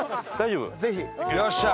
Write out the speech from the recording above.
よっしゃ！